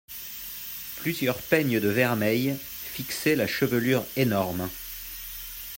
Plusieurs peignes de vermeil fixaient la chevelure énorme.